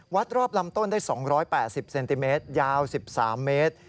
วัดรอบลำต้นได้๒๘๐เซนติเมตรยาว๑๓เมตร